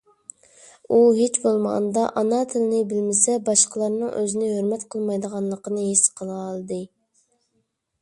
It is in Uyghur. ئۇ ھېچ بولمىغاندا، ئانا تىلنى بىلمىسە باشقىلارنىڭ ئۆزىنى ھۆرمەت قىلمايدىغانلىقىنى ھېس قىلالىدى.